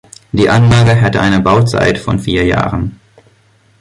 Die Anlage hätte eine Bauzeit von vier Jahren.